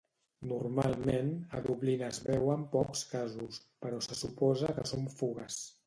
Normalment, a Dublín es veuen pocs casos, però se suposa que són fugues.